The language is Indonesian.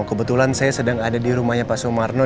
kebetulan saya sedang ada di rumahnya pak sumarno